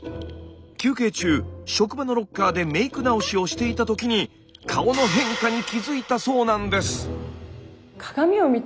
休憩中職場のロッカーでメーク直しをしていた時に顔の変化に気付いたそうなんです。